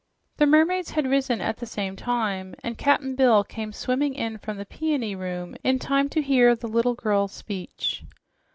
The mermaids had risen at the same time, and Cap'n Bill came swimming in from the Peony Room in time to hear the little girl's speech.